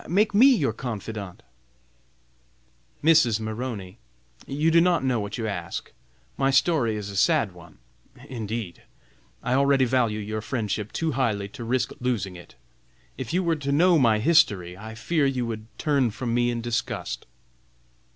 make me your confidante." "Mrs. Maroney, you do not know what you ask! My story is a sad one, indeed. I already value your friendship too highly to risk losing it. If you were to know my history, I fear you would turn from me in disgust."